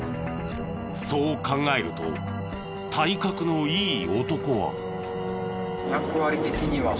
そう考えると体格のいい男は。